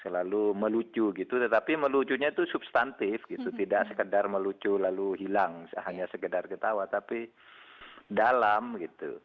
selalu melucu gitu tetapi melucunya itu substantif gitu tidak sekedar melucu lalu hilang hanya sekedar ketawa tapi dalam gitu